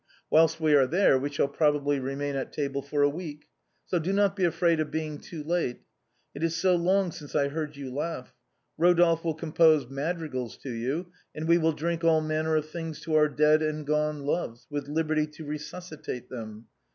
Whilst we are there we shall probably remain at table for a week. So do not be afraid of being too late. It is so long since I heard you laugh. Eodolphe will compose madrigals to you, and we will drink all manner of things to our dead and gone loves, with lib erty to resuscitate them.